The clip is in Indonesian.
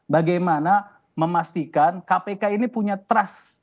bagaimana memastikan kpk ini punya trust